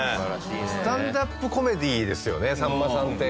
スタンダップコメディですよねさんまさんって。